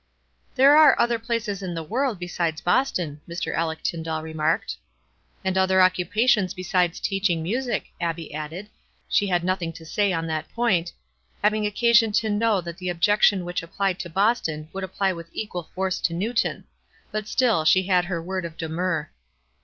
"There are other places in the world besides Boston," Mr. Aleck Tyndall remarked. "And other occupations besides teaching music," Abbie added, — she had nothing to say on that point, having occasion to know that the objection which applied to Boston would apply with equal force to Newton ; but still she had her word of demur.